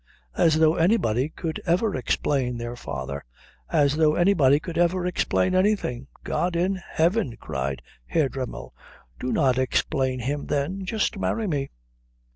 As though anybody could ever explain their father. As though anybody could ever explain anything." "God in Heaven," cried Herr Dremmel, "do not explain him then. Just marry me."